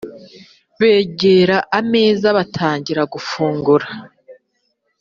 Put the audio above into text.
begera ameza batangira gufungura